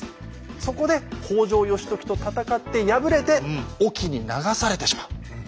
そこで北条義時と戦って敗れて隠岐に流されてしまう。